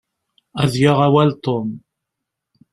Ad yaɣ awal Tom.